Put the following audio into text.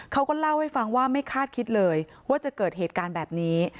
เขาก็เล่าให้ฟังว่าไม่คาดคิดเลยว่าจะเกิดเหตุการณ์แบบนี้